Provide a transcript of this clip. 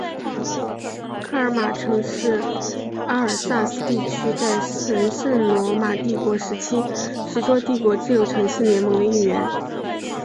科尔马曾是阿尔萨斯地区在神圣罗马帝国时期十座帝国自由城市联盟的一员。